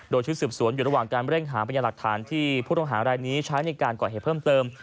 โดยชุดสืบสวนอยู่ระหว่างการเร่งหาพยาหลักฐานที่ผู้ต้องหารายนี้ใช้ในการก่อเหตุเพิ่มเติม